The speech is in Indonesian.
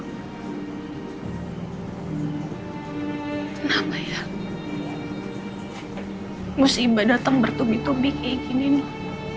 kenapa ya musibah datang bertubi tubi kayak gini nih